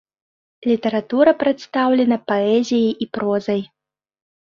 Літаратура прадстаўлена паэзіяй і прозай.